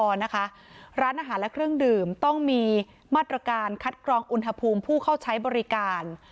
ร้านอาหารและเครื่องดื่มต้องมีมาตรการคัดกรองอุณหภูมิผู้เข้าใช้บริการ